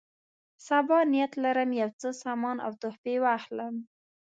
سبا نیت لرم یو څه سامان او تحفې واخلم.